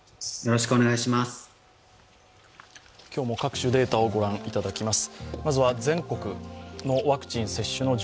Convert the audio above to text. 今日も各種データをご覧いただきます。